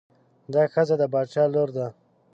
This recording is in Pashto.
دا ښځه د باچا لور ده.